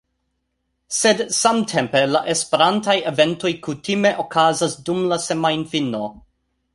Sed samtempe la Esperantaj eventoj kutime okazas dum la semajnfino